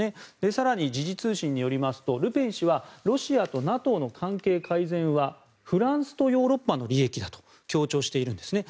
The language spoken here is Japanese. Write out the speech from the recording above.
更に時事通信によりますとルペン氏はロシアとＮＡＴＯの関係改善はフランスとヨーロッパの利益だと強調しているんですね。